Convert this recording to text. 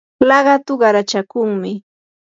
laqatu qarachakunmi.